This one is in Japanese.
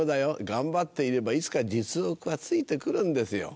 頑張っていればいつか実力はついて来るんですよ。